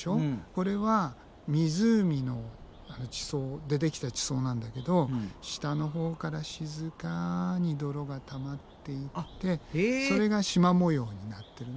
これは湖でできた地層なんだけど下のほうから静かに泥がたまっていってそれがしま模様になってるのね。